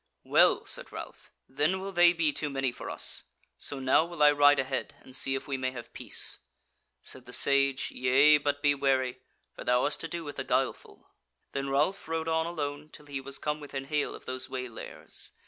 "Well," said Ralph, "then will they be too many for us; so now will I ride ahead and see if we may have peace." Said the Sage, "Yea, but be wary, for thou hast to do with the guileful." Then Ralph rode on alone till he was come within hail of those waylayers.